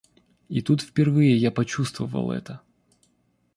И тут впервые я почувствовал это.